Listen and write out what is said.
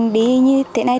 đi như thế này